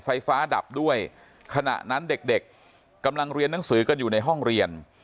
ไฟฟ้าดับด้วยขณะนั้นเด็กเด็กกำลังเรียนหนังสือกันอยู่ในห้องเรียน